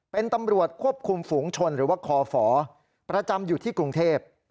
เป็นตำรวจควบคุมฝูงชนหรือว่าคอฝประจำอยู่ที่กรุงเทพ